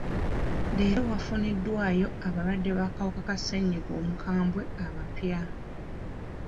Leero wafuniddwayo abalwadde b'akawuka ka ssenyiga omukambwe abapya.